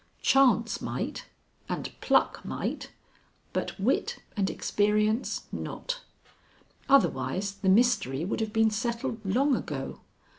Chance might and pluck might, but wit and experience not. Otherwise the mystery would have been settled long ago.